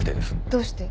どうして？